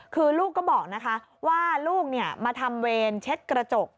คือลูกก็บอกนะคะว่าลูกมาทำเวรเช็ดกระจก